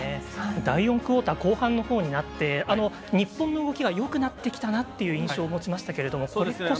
第４クオーター後半のほうになって日本の動きがよくなってきたなという印象を持ちましたそうですね。